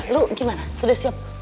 lu gimana sudah siap